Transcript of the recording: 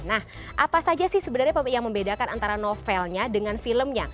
nah apa saja sih sebenarnya yang membedakan antara novelnya dengan filmnya